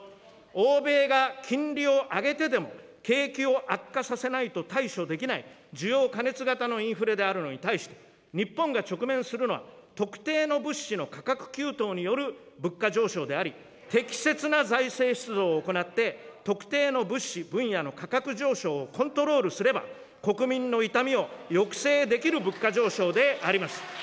欧米が金利を上げてでも、景気を悪化させないと対処できない需要過熱型のインフレであるのに対し、日本が直面するのは、特定の物資の価格急騰による物価上昇であり、適切な財政出動を行って、特定の物資、分野の価格上昇をコントロールすれば、国民の痛みを抑制できる物価上昇であります。